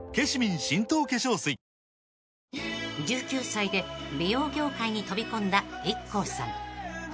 ［１９歳で美容業界に飛び込んだＩＫＫＯさん］